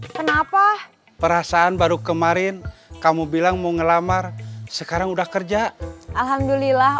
kenapa perasaan baru kemarin kamu bilang mau ngelamar sekarang udah kerja alhamdulillah